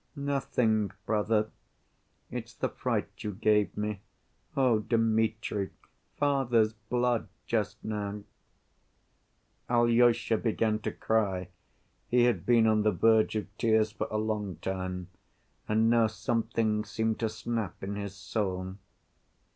"Nothing, brother—it's the fright you gave me. Oh, Dmitri! Father's blood just now." (Alyosha began to cry, he had been on the verge of tears for a long time, and now something seemed to snap in his soul.)